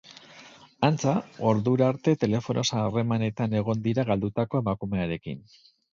Antza, ordura arte telefonoz harremanetan egon dira galdutako emakumearekin.